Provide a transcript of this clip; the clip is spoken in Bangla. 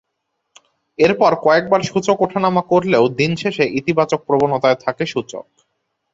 এরপর কয়েকবার সূচক ওঠানামা করলেও দিন শেষে ইতিবাচক প্রবণতায় থাকে সূচক।